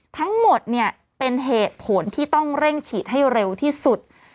ทั้งหมดเนี่ยเป็นเหตุผลที่ต้องเร่งฉีดให้เร็วที่สุด